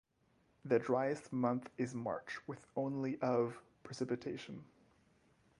The driest month is March, with only of precipitation.